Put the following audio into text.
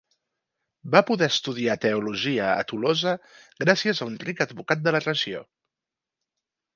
Va poder estudiar teologia a Tolosa gràcies a un ric advocat de la regió.